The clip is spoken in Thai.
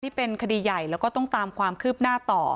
ที่เป็นคดีใหญ่แล้วก็ต้องตามความคืบหน้าต่อ